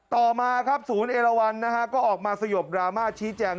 ต่อมาครับศูนย์เอราวันนะฮะก็ออกมาสยบดราม่าชี้แจง